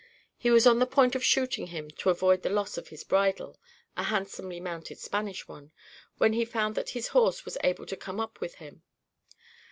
He was on the point of shooting him, to avoid the loss of his bridle (a handsomely mounted Spanish one), when he found that his horse was able to come up with him.